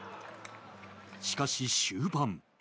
しかし終盤。